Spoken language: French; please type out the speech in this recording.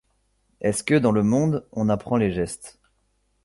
Est-ce que, dans le monde, on apprend les gestes ?